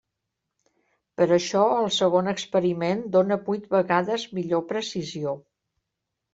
Per això el segon experiment dóna vuit vegades millor precisió.